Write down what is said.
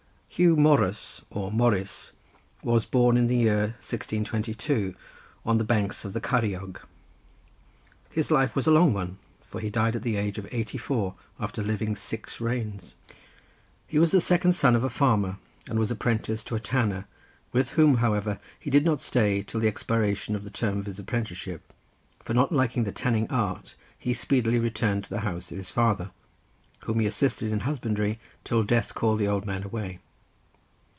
Huw Morus or Morris, was born in the year 1622 on the banks of the Ceiriog. His life was a long one, for he died at the age of eighty four, after living in six reigns. He was the second son of a farmer, and was apprenticed to a tanner, with whom, however, he did not stay till the expiration of the term of his apprenticeship, for not liking the tanning art, he speedily returned to the house of his father, whom he assisted in husbandry till death called the old man away.